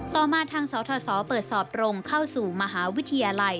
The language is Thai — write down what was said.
ต่อมาทางสทเปิดสอบตรงเข้าสู่มหาวิทยาลัย